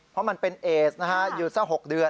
เพราะมันเป็นเอสนะฮะอยู่สัก๖เดือน